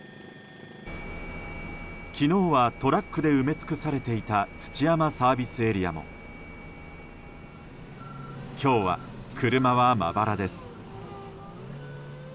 昨日はトラックで埋め尽くされていた土山ＳＡも今日は車はまばらです。